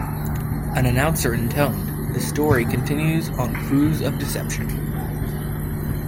An announcer intoned, The story continues on 'Cruise of Deception.